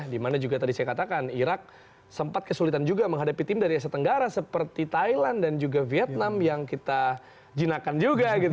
dimana juga tadi saya katakan irak sempat kesulitan juga menghadapi tim dari asia tenggara seperti thailand dan juga vietnam yang kita jinakkan juga gitu